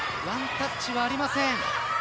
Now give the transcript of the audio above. ワンタッチはありません。